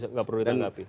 nggak perlu ditanggapi